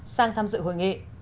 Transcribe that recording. sang tham dự hội nghị